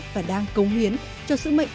và đang cống hiến cho sứ mệnh